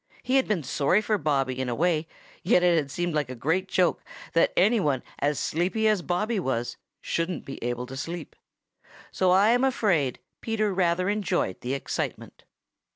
He had been sorry for Bobby in a way, yet it had seemed like a great joke that any one as sleepy as Bobby was shouldn't be able to sleep. So I am afraid Peter rather enjoyed the excitement.